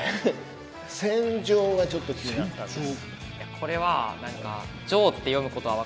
「せんじょう」がちょっと気になったんです。